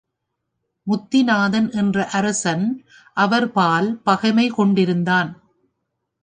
முத்திநாதன் என்ற அரசன் அவர்பால் பகைமை கொண்டிருந்தான்.